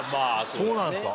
そうなんですか？